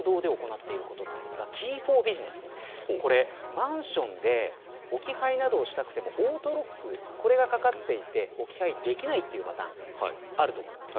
マンションで置き配などをしたくてもオートロックがかかっていて置き配できないというパターンあると思います。